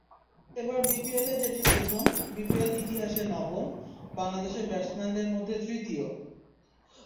এবার বিপিএলে যেটি প্রথম, বিপিএল ইতিহাসে নবম, বাংলাদেশের ব্যাটসম্যানদের মধ্যে তৃতীয়।